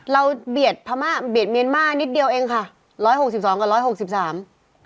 เราเบียดเมียนมาร์นิดเดียวเองค่ะ๑๖๒กับ๑๖๓